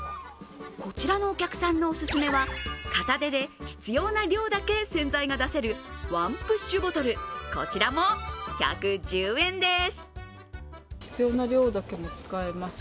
こちらのお客さんのオススメは片手で必要な量だけ洗剤が出せるワンプッシュボトル、こちらも１１０円です。